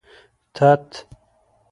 تت